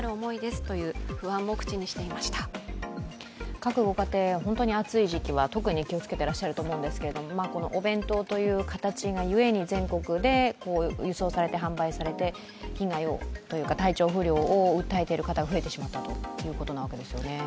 各ご家庭、本当に暑い時期は特に気をつけていらっしゃると思うんですけど、お弁当という形が故に全国で輸送されて販売されて体調不良を訴えている方が増えてしまったということですね。